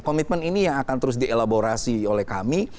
komitmen ini yang akan terus dielaborasi oleh kami